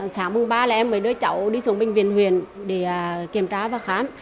sáng mùng ba là em mới đưa cháu đi xuống bệnh viện huyền để kiểm tra và khám